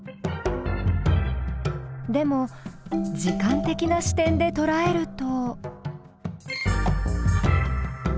でも時間的な視点でとらえると。